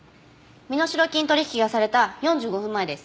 身代金取引がされた４５分前です。